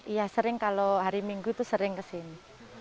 ya sering kalau hari minggu tuh sering kesini